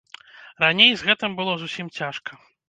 Раней з гэтым было зусім цяжка.